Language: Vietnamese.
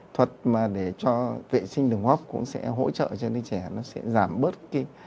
thuật mà để cho vệ sinh đường hấp cũng sẽ hỗ trợ cho đứa trẻ nó sẽ giảm bớt cái